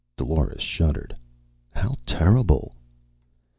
Dolores shuddered. "How terrible!"